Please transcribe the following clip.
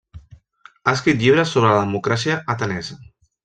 Ha escrit llibres sobre la democràcia atenesa.